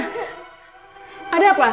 kan ditakut classic